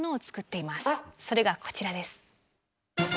それがこちらです。